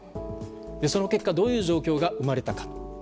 その結果、どういう状況が生まれたか。